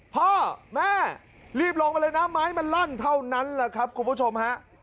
พ่อแม่รีบลงมาเลยนะไม้มันลั่นเท่านั้นแหละครับคุณผู้ชมฮะ